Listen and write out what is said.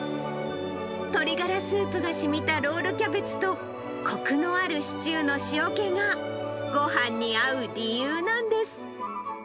鶏ガラスープがしみたロールキャベツと、こくのあるシチューの塩気がごはんに合う理由なんです。